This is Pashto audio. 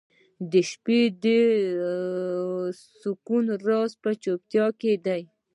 • د شپې د سکون راز په چوپتیا کې دی.